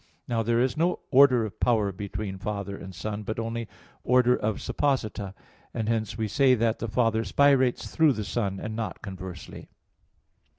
Now there is no order of power between Father and Son, but only order of 'supposita'; and hence we say that the Father spirates through the Son; and not conversely.